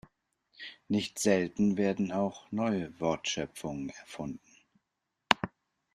Nicht selten werden auch neue Wortschöpfungen erfunden.